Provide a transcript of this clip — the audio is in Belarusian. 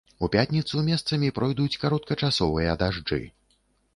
У пятніцу месцамі пройдуць кароткачасовыя дажджы.